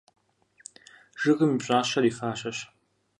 Жыгым и пщӀащэр и фащэщ.